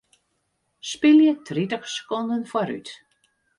Spylje tritich sekonden foarút.